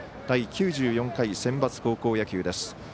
第９４回センバツ高校野球です。